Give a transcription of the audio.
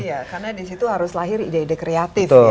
iya karena disitu harus lahir ide ide kreatif ya